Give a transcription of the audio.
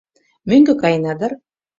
— Мӧҥгӧ каена дыр.